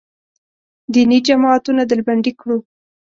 دیني جماعتونه ډلبندي کړو.